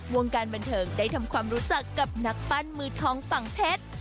วงการบันเทิงได้ทำความรู้จักกับนักปั้นมือทองฝั่งเพชร